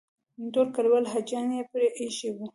ټول کلیوال حاجیان یې پرې ایښي وو.